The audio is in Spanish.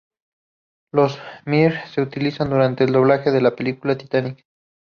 Los "Mir" se utilizaron durante el rodaje de la película Titanic.